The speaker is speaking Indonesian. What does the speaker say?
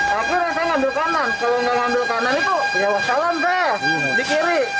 tapi rasanya ngambil kanan kalau nggak ngambil kanan itu ya wassalam deh di kiri